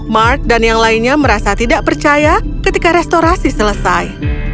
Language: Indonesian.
mark dan yang lainnya merasa tidak percaya ketika restorasi selesai